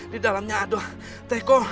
di dalamnya ada teko